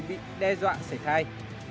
bị đe dọa sể thai